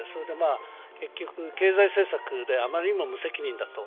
結局、経済政策であまりにも無責任だと。